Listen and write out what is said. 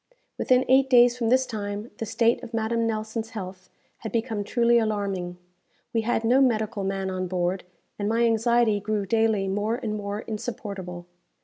Within eight days from this time the state of Madame Nelson's health had become truly alarming. We had no medical man on board, and my anxiety grew daily more and more insupportable.